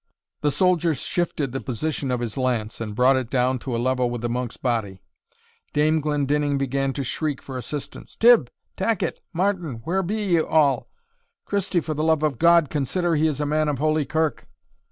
The soldier shifted the position of his lance, and brought it down to a level with the monk's body. Dame Glendinning began to shriek for assistance. "Tibb Tacket! Martin! where be ye all? Christie, for the love of God, consider he is a man of Holy Kirk!"